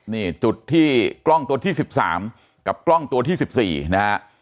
นี่จุดที่กล้องตัวที่๑๓กับกล้องตัวที่๑๔นะฮะ